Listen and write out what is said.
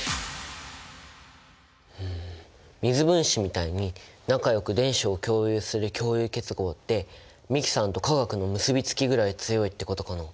うん水分子みたいに仲よく電子を共有する共有結合って美樹さんと化学の結びつきぐらい強いってことかな。